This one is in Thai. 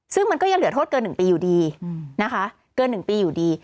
ซึ่งมันก็ยังเหลือโทษเกิน๑ปีอยู่ดีนะคะเกิน๑ปีอยู่ดี